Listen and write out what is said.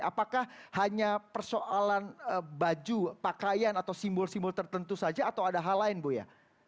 apakah hanya persoalan baju pakaian atau simbol simbol tertentu saja atau ada hal lain buya